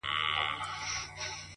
نو خود به اوس ورځي په وينو رنگه ككــرۍ!